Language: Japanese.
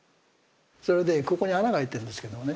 それでここに穴が開いてるんですけどもね。